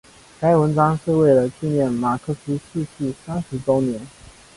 该文章是为了纪念马克思逝世三十周年。